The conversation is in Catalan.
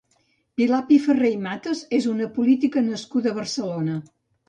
Pilar Pifarré i Matas és una política nascuda a Barcelona.